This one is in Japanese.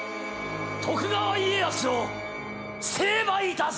徳川家康を成敗いたす！